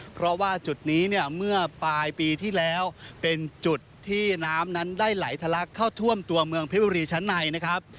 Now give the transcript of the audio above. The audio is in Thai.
เพราะว่าจุดนี้เนี่ยเมื่อปลายปีที่แล้วเป็นจุดที่น้ำนั้นได้ไหลทะลักเข้าท่วมตัวเมืองเพชรบุรีชั้นในนะครับ